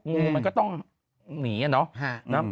งูมันก็ต้องหนีอะเนาะ